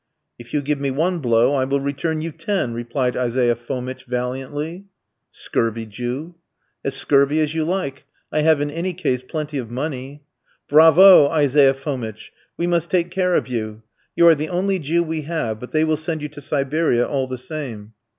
"If you give me one blow I will return you ten," replied Isaiah Fomitch valiantly. "Scurvy Jew." "As scurvy as you like; I have in any case plenty of money." "Bravo! Isaiah Fomitch. We must take care of you. You are the only Jew we have; but they will send you to Siberia all the same."